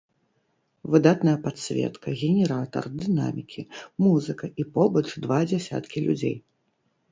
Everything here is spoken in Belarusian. Выдатная падсветка, генератар, дынамікі, музыка і побач два дзясяткі людзей.